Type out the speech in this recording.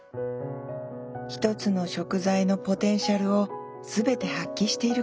一つの食材のポテンシャルを全て発揮している感じですね。